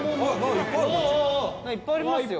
八乙女：いっぱいありますよ。